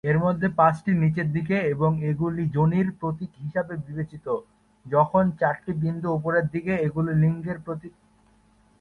এর মধ্যে পাঁচটি নিচের দিকে এবং এগুলি যোনির প্রতীক হিসাবে বিবেচিত, যখন চারটি বিন্দু উপরের দিকে এবং এগুলি লিঙ্গের প্রতীক।